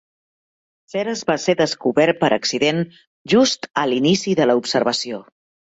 Ceres va ser descobert per accident just al inici de la observació.